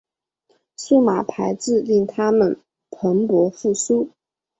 数码排字令它们蓬勃复苏。